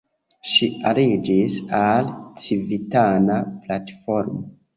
Ŝi aliĝis al Civitana Platformo.